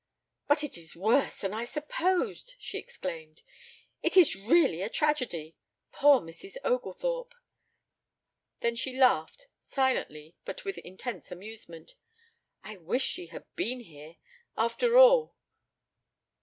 "But it is worse than I supposed!" she exclaimed. "It is really a tragedy. Poor Mrs. Oglethorpe." Then she laughed, silently but with intense amusement. "I wish she had been here! After all!